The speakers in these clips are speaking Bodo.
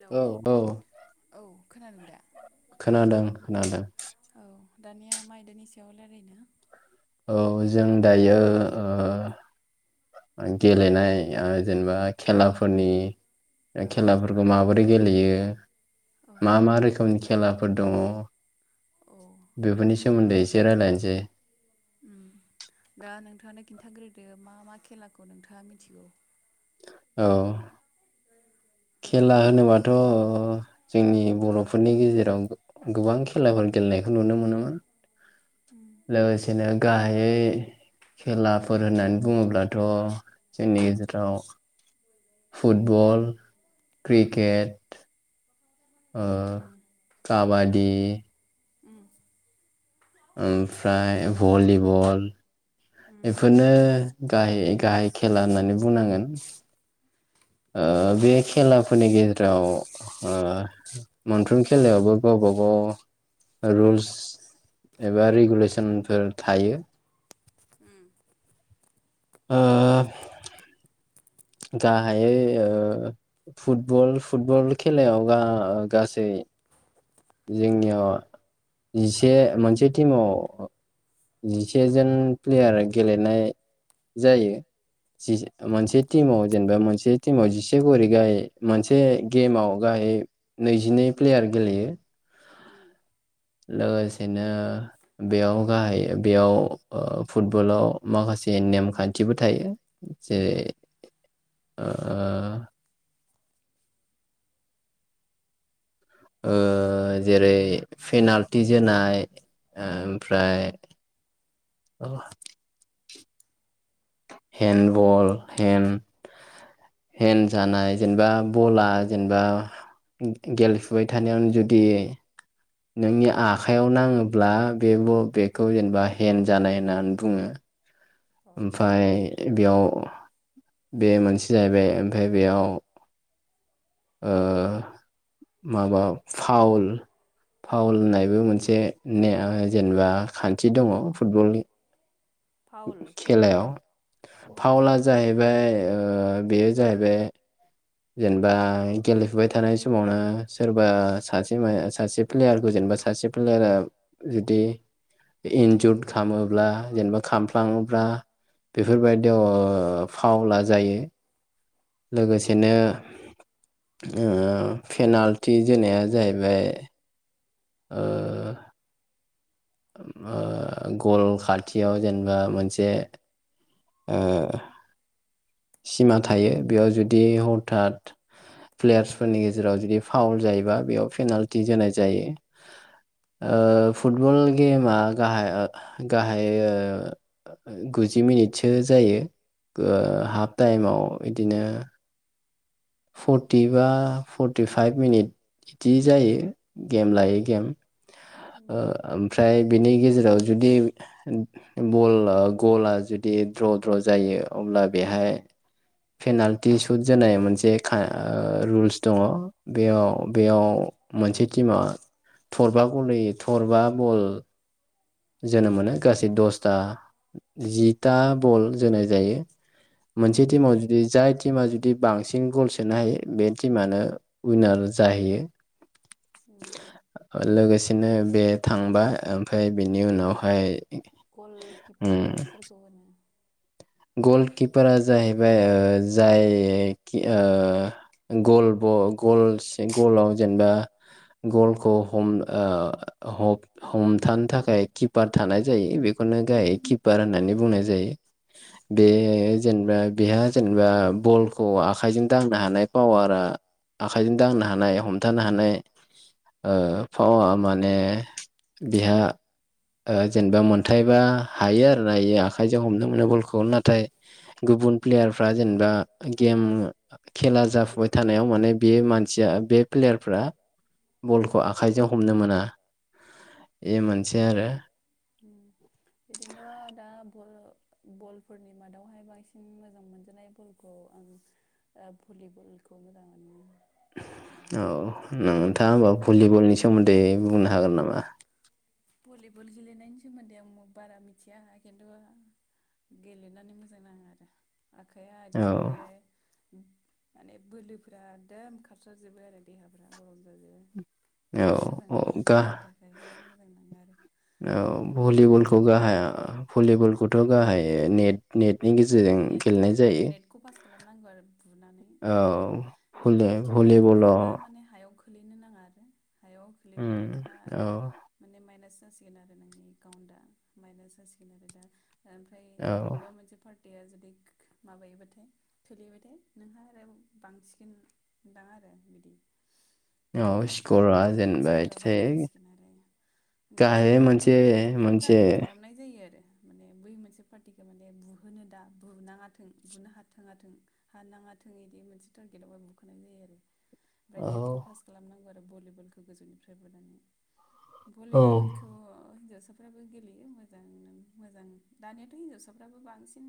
हेलौ औ औ औ खोनादों दा? खोनादों खोनादों। औ दानिया मा आयदानि सायाव रायलायनो? ओ जों दायो ओ गेलेनाय जेनेबा खेलाफोरनि औ खेलाफोरखौ माबोरै बे गेलेयो औ मा मा रोखोमनि? खेलाफोर दङ औ बेफोरनि सा सोमोन्दै एसे रायलायनोसै। उम दा नोंथाङानो खिन्थाग्रोदो मा मा खेलाखौ नोंथाङा मिथिगौ? औ। खेला होनोबाथ' ओ जोंनि बर'फोरनि गेजेराव गोबां खेलाफोर गेलेनायखौ नुनो मोनोमोन। [unintelligible] गाहायै खेलाफोर होननानै बुङोब्लाथ' जोंनि गेजेराव फुटबल क्रिकेट। ओ उम काबादि। उम ओमफ्राय भलि बल। उम बेफोरनो गाहाइ गाहाइ खेला होननानै बुंनांगोन। ओ बे खेलाफोरनि गेजेराव ओ मोनफ्रोम खेलायावबो गावबा गाव रुल्स एबा रेगुलेसनफोर थायो। उम [unintelligible] गाहायै ओ फुटबल फुटबल खेलायाव ओ गासै जोंनिया जिसे मोनसे टिमाव जिसेजोन प्लेयार गेलेनाय जायो मोनसे टिमाव जेनेबा मोनसे टिमाव जिसे खरै गाहाय मोनसे गेमाव गाहाय नैजिनै प्लेयार गेलेयो। उम। लोगोसेनो बेयाव गाहाय बेयाव फुटबलाव माखासे नेमखान्थिबो थायो जेरै ओ जेरै- पेनाल्टि जोनाय ओमफ्राय हेन बल हेन जानाय जेनेबा बला जेनेबा गेलेफुबाय थानायावनो जुदि नोंनि आखाइयाव नाङोब्ला बे बेखौ जेनेबा हेन्द जानाय होननानै बुङो। अ ओमफाय बेयाव बे मोनसे जाहैबाय ओमफाय बेयाव ओ माबा फावल-फावल होननाय बो मोनसे ने जेनेबा खान्थि दङ फुटबल फाउल खेलायाव। फाउला जाहैबाय ओ बेयो जाहैबाय। जेनेबा गेलेफुबाय थानाय समावनो सोरबा सासे मा सासे प्लेयारखौ जेनेबा सासे प्लेयारा जुदि इन्जुर खालामोब्ला जेनेबा खामफ्लाङोब्ला बेफोरबायदियाव ओ फाउला जायो। लोगोसेनो ओ पेनाल्टि ओ। [inaudible] ओ गल खाथियाव जेनेबा मोनसे ओ। सिमा थायो बेयाव जुदि हथात प्लेयार्सफोरनि गेजेराव जुदि फाउल जायोबा बेयाव पेनाल्टि जोनाय जायो ओ फुटबल मा गाहा ओ गाहायै ओ गुजि मिनिटसो जायो ओ हाप थाइम। औ इदिनो। फर्टि बा फर्टिफाइभ मिनिट बिदि जायो गेम लायै गेम उम ओमफ्राय बिनि गेजेराव जुदि बल गला जुदि द्र द्र जायो अब्ला बेहाय। पेनाल्टि सुट जोनाय मोनसे ओ रुल्स दङ बेयाव-बेयाव मोनसे टिमा थरबा गलै थरबा बल। जोनो मोनो गासै दसथा जिथा बल जोनाय जायो मोनसे बे टिमाव फुटबलाव जुदि जाय टिमा जुदि बांसिन गल सोनो हायो बे टिमा आनो उइनार जाहैयो उम लोगोसेनो बे थांबा ओमफाय बेनि उनावहाय उम। गलकिपारा सोरखौ होनो? गलकिपारा जाहैबाय ओ जाय खि ओ गल ब गलसे गलाव जेनेबा गलखौ हम ओ हक हमथानो थाखाय खि किफार थानाय जायो बेखौनो गाहायै कि फार होननानै बुंनाय जायो। बे जेनेबा बेहा जेनेबा बलखौ आखाइजों दांनो हानाय पावारा आखाइजों दांनो हानाय हमथानो हानाय ओ पावा माने बेहा। ओ जेनेबा मोनथायबा हायो आरो नायो आखाइजों हमनो मोनो ब खौ नाथाय गुबुन प्लेयारफ्रा जेनेबा गेम खेला जाफुबाय थानायाव माने बे मानसिया बे प्लेयारफ्रा बलखौ आखाइजों हमनो मोना ए मोनसे आरो। ना बल बलफोरनि मादावहाय बांसिन मोजां मोनजानाय बलखौ आं भलिबलखौ ओ मोजां मोनो। औ। नोंथाङा भलिबल होमबा भलिबलनि सोमोन्दै बुंनो हागोन नामा? भलिबल गेलेनायनि सोमोन्दै आं बारा मिथिया खिन्थु गेलेनानै मोजां नाङो आरो। आखाइया औ एकदमबारे माने बोलोफोरा एकदम खारस्राजोबो आरो देहाफोरा गरम जाजोबो। औ मोजां औ नाङो गा देहानि थाखायहाय नाङो आरो औ एकदमबारे भलिबलखौ गाहाया भलि बलखौथ' गाहायै नेट-नेट नेट नेटखौ पास खालामनांगौ आरो बुनानै औ ओमफ्राय भलि बिथिंनिया बुहरोबा भलिबलाव माने हायाव खोलैनो नाङा। आरो हायाव खोलैबाथाय उम, नोंहा औ माने माइनास जासि गोन आरो नोंनि एकाउन्टआ मायनास जासिगोन आरो दा ओमफ्राय औ बबेबा मोनसे पार टिया जुदि ख-ख माबायोबाथाय खोलैबाथाय नोंहा आरो बांसिगोनदां आरो बिदि। औ स्करा जेनेबा स्करा बारा इथिं जासिगोन आरो ओमफ्राय गाहायै मोनसे बेखौ मोनसे टारगेट खालामनाय जायो आरो माने बै मोनसे पार्टिखो माने बु बुहोनो दा बुनाङाथों बुनो हाथों-हाथों हानाङाथों बिदि मोनसे टारगेटआवहाय बुखारनाय जायो आरो। ओमफ्राय औ नेटखौ पास खालामनां फोर भलिबलखौ गोजौनिफ्राय बुनानै औ भलिबलखौे हिनजावसा हिजावसाफ्राबो गेलेयो मोजांनो मोजां। दानियाथ' हिनजावसाफ्राबो बांसिन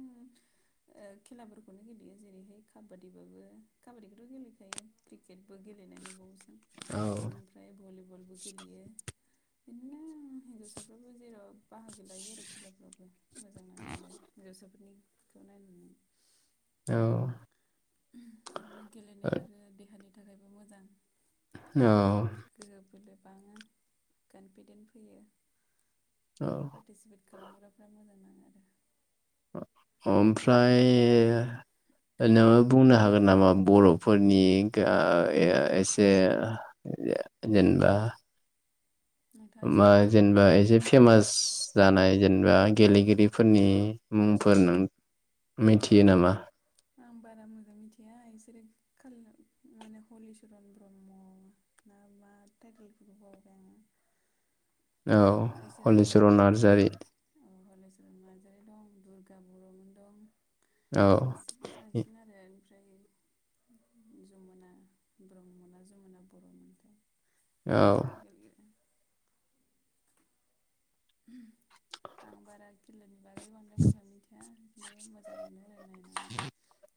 ओ खेलाफोरखौनो गेलेयो, जेरैहाय काबादिबाबो, काबादिखौथ' गेलेखायो क्रिकेटबो गेलेनाय नुबावोसो। औ ओमफ्राय भलि बलबो गेलेयो। इदिनो हिनजावसाफ्राबो जेराव बाहागो लायो आरो खेलाफ्रावबो। निखौ नायनानै। औ। इदिनो गेलेनाया आरो देहानि थाखायबो मोजां। औ गोहो बोलो बाङो कनफिदेन्ट फैयो। औ। पार्टिसिपेट खालामग्राफ्रा मोजां नाङो आरो। अह ओमफ्राय नोङो बुंनो हागोन नामा? बर'फोरनि गा या एसे जे-जेनबा नोंथाङा एसे मा मोजां जेनेबा रायज्लाय एसे फेमास जानाय जेनेबा गेलेगिरिफोरनि मुंफोर नों मिथियो नामा? आं बारा मोजां मिथिया इसोरो [unintelligible] माने हलिचरन ब्रह्म ना मा टाइटेलफोरखौ बावबाय आङो। औ हलिचरन नार्जारि। ओ हलिचरन नार्जारि दं दुर्गा बर'मोन दं। औ बिसोरनो बांसिन आरो। [unintelligible] जमुना ब्रह्मा ना जमुना बर'मोनथाय औ कमफु गेलेयो। आं बारा गेलेनो नायनि बांद्राय मोजां मिथिया। नो मोजां मोनो आरो नाय उम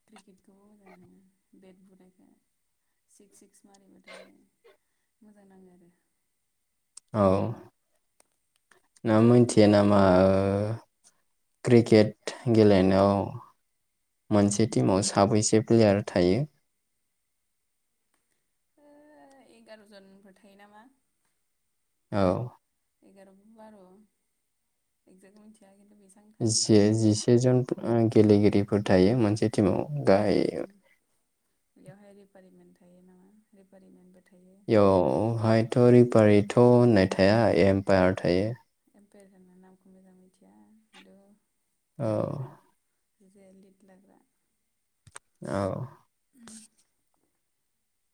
क्रिकेटखौबो मोजां नाङो बेट बुनायखो सिक्स सिक्स मारिबाथाय मोजां नाङो आरो। औ नों मिथियो नामा क्रिकेट गेलेनायाव मोनसे टिमाव साबैसे प्लेयार थायो? ओ एगार'जनफोर थायो नामा? औ एगार' बार' एकजेक मिथिया खिन्थु बेसेबां थायोदां जिसे आरो जिसे जन फो ओ गेलेगिरि फोर थायो मोनसे टिमाव। गाहाय उम बेयावहाय रिफारिन मोन थो थायो नामा रिफारिमेन्टबो इयावहायथ'रिफ फारिथ' होननाय थाया एम्पायार थायो। फेर होनो नामखौ मोजां मिथिया खिन्थु औ थायो आरो जे लिट लाग्रा। औ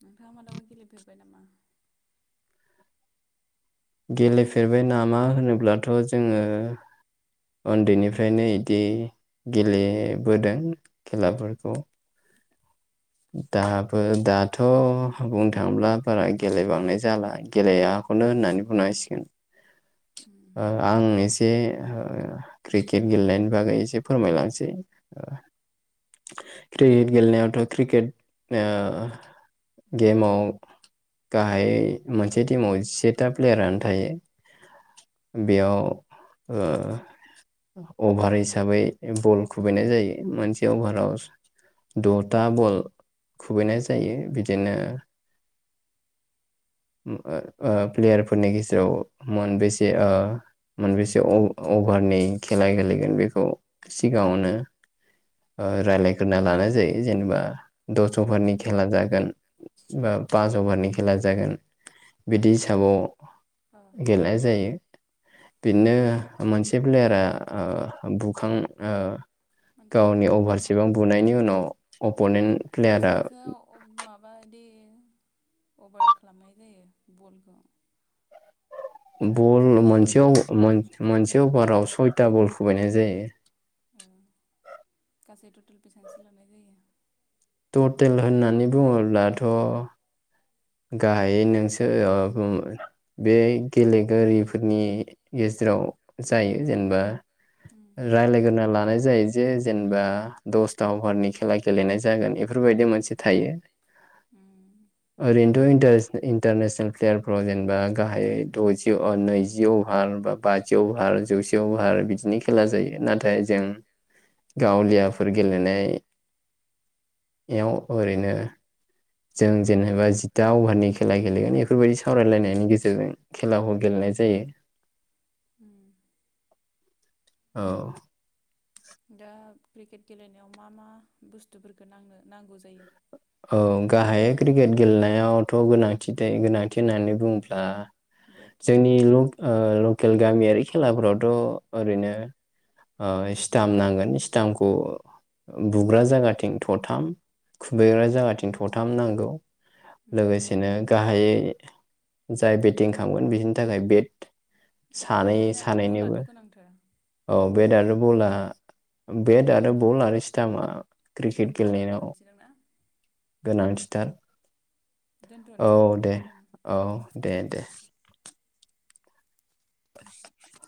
नोंथाङा मालाबा गेलेफेरबाय नामा? गेलेफेरबाय नामा होनोब्लाथ' जोङो उन्दैनिफ्रायनो इदि गेलेबोदों खेलाफोरखौ। दाबो दाथ' बुंनो थाङोब्ला बारा गेलेबांनाय जाला गेलेआखौनो होननानै बुंनांसिगोन। उम ओ आं एसे ओ क्रिकेट गेलेनायनि बागै एसे फोरमायलांसै ओ क्रिकेट गेलेनायावथ' क्रिकेट ओ गेमाव गाहाय मोनसे टिमाव जिसेथा प्लेयारानो थायो। बेयाव ओ अभार हिसाबै बल खुबैनाय जायो। मोनसे अभाराव द' था बल खुबैनाय जायो। बिदिनो उम ओ ओ प्लेयारफोरनि गेजेराव मोनबेसे ओ मोनबेसे अ' अभारनि खेला गेलेगोन बेखौ सिगाङावनो ओ रायलायग्रोना लानाय जायो जेनेबा दस औ अभारनि खेला जागोन। बा पास अभारनि खेला जागोन। बिदि औ हिसाबाव गेलेनाय जायो। बिनो मोनसे प्लेयारा ओ बुखां ओ मोनसे गावनि बुखांनायनि उनाव अभारसेबां बुनायनि उनाव अपनेेन्ट प्लेयारा बेसेबांसो माबा बिदि अभार खालामनाय जायो बलखौ बल माने बल मोनसेयाव मोन मोनसे से अभाराव सयथा बल खुबैनाय जायो औ गासै टटेल बेसांसो लाबोनाय जायो हटेल होननानै बुङोब्लाथ' गाहायै नोंसो [unintelligible] बे गेलेगिरिफोरनि गेजेराव जायो जेनेबा उम सावरायलायना रायलायगोरना लायो लानाय आरो जायो जे जेनबा। दसथा अभारनि खेला गेलेनाय जागोन एफोरबायदि मोनसे थायो। उम ओरैनोथ' इन्टारस इन्टारनेसनेल प्लेयारफ्राव जेनेबा गाहायै द'जौ नैजौ अभार बा बाजौ अभार जौसे अभार बिदिनि खेला जायो नाथाय जों [inaudible] गावलियाफोर गेलेनाय [inaudible] याव ओरैनो जों जेनेब। जि दा अभारनि खेला बेफोरबायदि सावरायलायनायनि गेजेरजों खेलाखौ गेलेनाय जायो। उम [inaudible] औ दा क्रिकेट गेलेनायाव मा मा बुस्थुफोरखौ नाङो नांगौ जायो? [inaudible] औ गाहायै क्रिकेट गेलेनायावथ' गोनांथि थायो गोनांथि होननानै बुंङोब्ला। बेट जोंनि ल' ओ लकेल गामियारि खेलाफ्रावथ' ओरैनो ओ स्टामप नांगोन स्टामपखौ बुग्रा जागाथिं थथाम। जोङो खुबैग्रा जोंहाथिं जागाथिं थथाम नांगौ नांगौ लोगोसेनो गाहायै लोगोसेनो जाय बेटिं खालामगोन बिसिनि थाखाय बेट [inaudible] गाहाय बेट आरो बलाथ' गोनांथार बेट आरो बला बेट आरो बल आरो स्टामपआ दे क्रिकेट होमबा गेलेनायनाव दोनथ'नोसैदां ना [inaudible] गोनांथि [unintelligible] औ दोनथ'नोसै होमबा दे बेखिनियावनो औ दे-दे [inaudible]